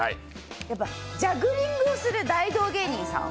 ジャグリングをする大道芸人さん